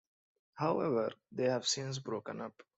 However, they have since broken up.